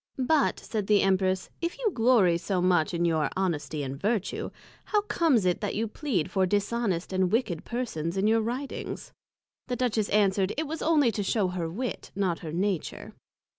But, said the Empress, if you glory so much in your Honesty and Vertue, how comes it that you plead for Dishonest and Wicked persons, in your Writings? The Duchess answered, It was only to shew her Wit, not her Nature.